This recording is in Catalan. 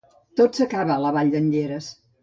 Tot s'acaba a la vall d'en Lleres.